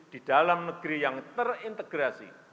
di dalam negeri yang terintegrasi